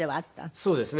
そうですね。